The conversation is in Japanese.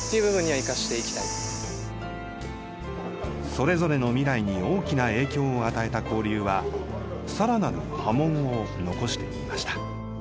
それぞれの未来に大きな影響を与えた交流はさらなる波紋を残していました。